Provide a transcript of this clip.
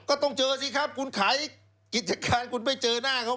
ก็ต้องเจอสิครับคุณขายกิจการคุณไม่เจอหน้าเขา